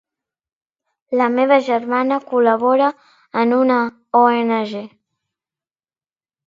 La meva germana col·labora en una ONG.